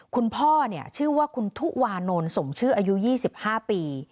คุณพ่อชื่อว่าคุณทุวานนท์สมชื่ออายุ๒๕ปี